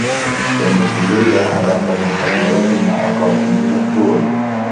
كانت لليلى علاقة خطيرة مع قاتل مأجور.